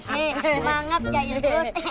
semangat jadul bos